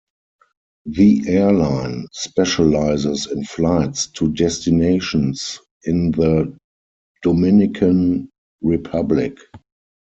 The airline specializes in flights to destinations in the Dominican Republic.